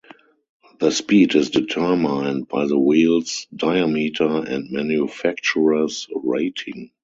The speed is determined by the wheel's diameter and manufacturer's rating.